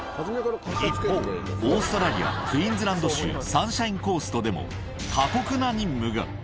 一方、オーストラリア・クイーンズランド州サンシャインコーストでも、過酷な任務が。